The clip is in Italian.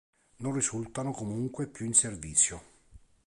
Non risultano comunque più in servizio.